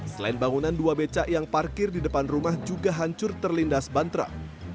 selain bangunan dua becak yang parkir di depan rumah juga hancur terlindas bantrak